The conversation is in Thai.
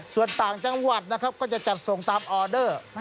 ส่วนต่างจังหวัดนะครับก็จะจัดส่งตามออเดอร์